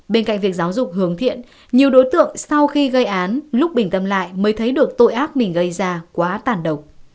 bên cạnh việc giáo dục hướng thiện nhiều đối tượng sau khi gây án lúc bình tâm lại mới thấy được tội ác mình gây ra quá tàn độc